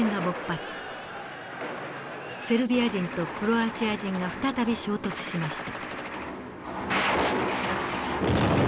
セルビア人とクロアチア人が再び衝突しました。